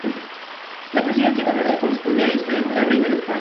La Presidencia de Honor le corresponde a S. M. la Reina de España.